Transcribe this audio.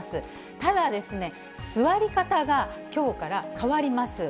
ただですね、座り方がきょうから変わります。